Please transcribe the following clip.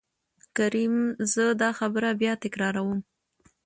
کريم :زه دا خبره بيا تکرار وم.